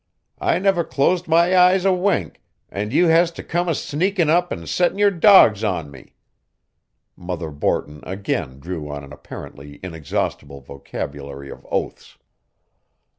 I never closed my eyes a wink, and you has to come a sneakin' up and settin' your dogs on me." Mother Borton again drew on an apparently inexhaustible vocabulary of oaths.